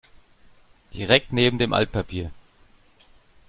Direkt neben dem Altpapier.